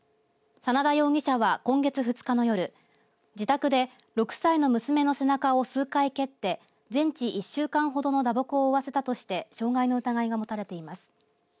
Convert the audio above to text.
眞田容疑者は今月２日の夜自宅で６歳の娘の背中を数回蹴って全治１週間ほどの打撲を負わせたとして傷害の疑いが持たれています。